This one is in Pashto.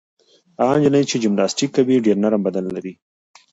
هغه نجلۍ چې جمناسټیک کوي ډېر نرم بدن لري.